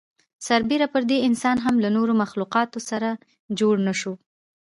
سر بېره پر دې انسان هم له نورو مخلوقاتو سره جوړ نهشو.